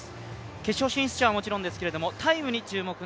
決勝進出者はもちろんですけれどもタイムにも注目。